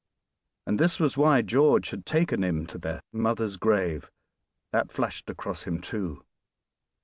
And this was why George had taken him to their mother's grave. That flashed across him, too.